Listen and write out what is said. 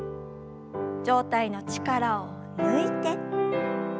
上体の力を抜いて。